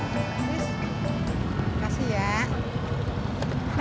tis makasih ya